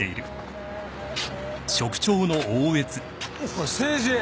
おい誠治。